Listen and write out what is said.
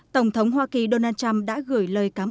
tổng thống hoa kỳ donald trump đã gửi lời cảm ơn